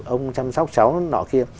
ông chăm sóc cháu nó kia